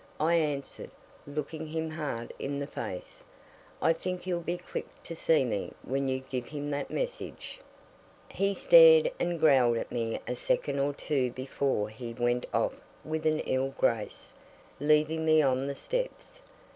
I answered, looking him hard in the face. "I think he'll be quick to see me when you give him that message." He stared and growled at me a second or two before he went off with an ill grace, leaving me on the steps.